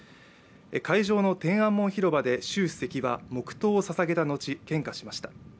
会場の天安門広場で習主席は黙とうをささげた後、献花しました。